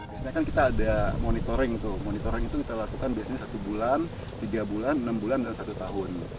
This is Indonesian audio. biasanya kan kita ada monitoring tuh monitoring itu kita lakukan biasanya satu bulan tiga bulan enam bulan dan satu tahun